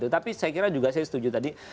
tapi saya kira juga saya setuju tadi